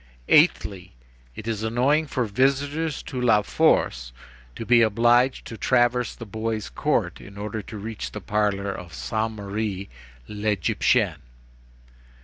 "Eighthly: it is annoying for visitors to La Force to be obliged to traverse the boys' court in order to reach the parlor of Sainte Marie l'Égyptienne.